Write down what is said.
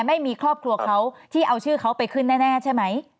ไม่มีครอบครัวเขาที่เอาชื่อเขาไปขึ้นแน่ใช่ไหม